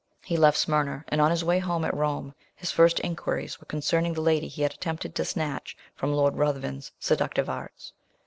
He left Smyrna, and on his way home, at Rome, his first inquiries were concerning the lady he had attempted to snatch from Lord Ruthven's seductive arts.